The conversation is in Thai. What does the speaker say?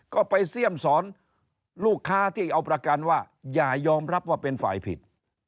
ก็ไปเสี่ยมสอนลูกค้าที่เอาประกันว่าอย่ายอมรับว่าเป็นฝ่ายผิด